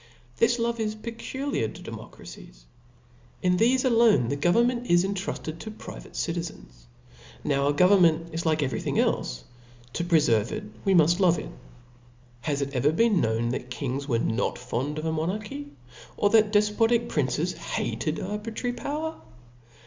This love is peculiar to democracies. !n thefe alone the government is intruded to private citi zens. Now government is like every thing clfe : to prefer ve it, we muft love it. Has it ever been heard that kings Were not fond of monarchy, or that defpotic princes hated aibi* trary power